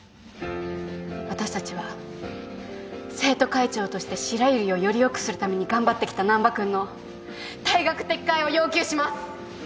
私たちは生徒会長として白百合をよりよくするために頑張ってきた難破君の退学撤回を要求します！